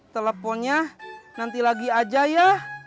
teleponnya nanti lagi aja ya